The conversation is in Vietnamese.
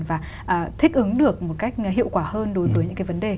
và thích ứng được một cách hiệu quả hơn đối với những cái vấn đề